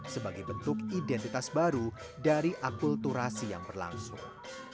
sebagai bentuk identitas baru dari akulturasi yang berlangsung